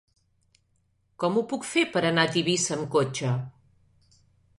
Com ho puc fer per anar a Tivissa amb cotxe?